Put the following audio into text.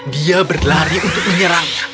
dia berlari untuk menyerangnya